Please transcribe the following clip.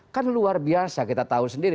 kan luar biasa kita tahu sendiri